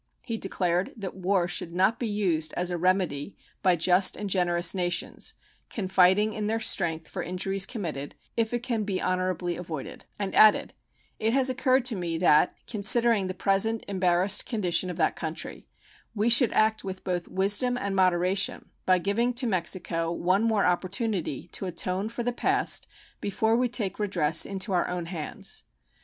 He declared that war should not be used as a remedy "by just and generous nations, confiding in their strength for injuries committed, if it can be honorably avoided," and added: It has occurred to me that, considering the present embarrassed condition of that country, we should act with both wisdom and moderation by giving to Mexico one more opportunity to atone for the past before we take redress into our Own hands.